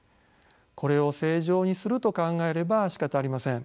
これを正常にすると考えればしかたありません。